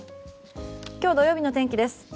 今日土曜日の天気です。